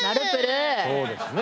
そうですね。